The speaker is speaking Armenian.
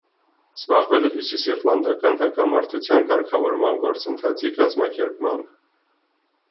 Զբաղվել է հյուսիսիռլանդական հակամարտության կարգավորման գործընթացի կազմակերպմամբ։